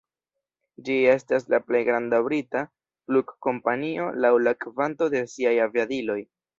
Ĝi estas la plej granda brita flugkompanio laŭ la kvanto de siaj aviadiloj.